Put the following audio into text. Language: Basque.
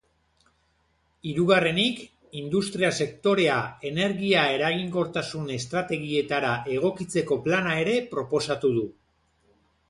Hirugarrenik, industria sektorea energia eraginkortasun estrategietara egokitzeko plana ere proposatu du.